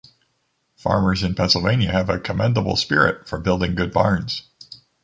Farmers in Pennsylvania have a commendable spirit for building good barns.